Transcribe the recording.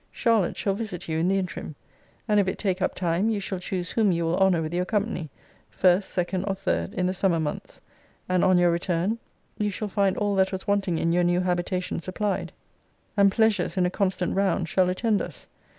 Charlotte shall visit you in the interim: and if it take up time, you shall choose whom you will honour with your company, first, second, or third, in the summer months; and on your return you shall find all that was wanting in your new habitation supplied, and pleasures in a constant round shall attend us.